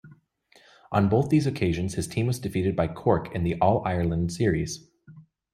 On both these occasions his team was defeated by Cork in the All-Ireland series.